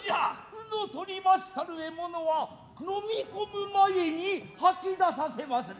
鵜の獲りましたる獲物は飲み込む前にはき出させまする。